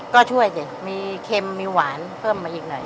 ก็ช่วยดิมีเค็มมีหวานเพิ่มมาอีกหน่อย